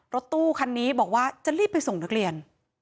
รถตู้คันนี้บอกว่าจะรีบไปส่งนักเรียน